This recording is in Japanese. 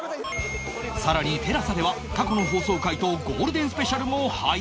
更に ＴＥＬＡＳＡ では過去の放送回とゴールデンスペシャルも配信中！